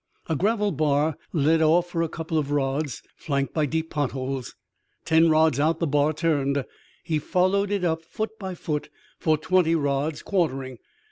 A gravel bar led off for a couple of rods, flanked by deep potholes. Ten rods out the bar turned. He followed it up, foot by foot, for twenty rods, quartering.